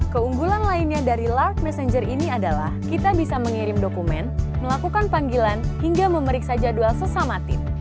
keunggulan lainnya dari lark messenger ini adalah kita bisa mengirim dokumen melakukan panggilan hingga memeriksa jadwal sesama tim